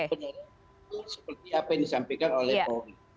itu seperti apa yang disampaikan oleh pauline